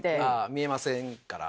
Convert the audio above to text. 見えませんから。